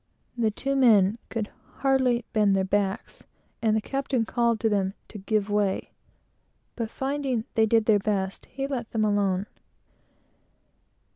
The two men could hardly bend their backs, and the captain called to them to "give way," "give way!" but finding they did their best, he let them alone.